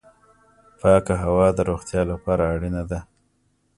پاکه هوا د روغتیا لپاره اړینه ده